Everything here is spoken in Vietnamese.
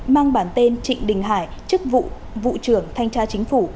mang bản tên trịnh đình hải chức vụ vụ trưởng thanh tra chính phủ